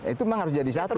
itu memang harus jadi satu